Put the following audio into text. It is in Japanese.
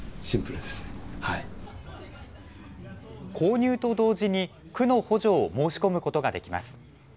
購入と同時に区の補助を申し込むことができます。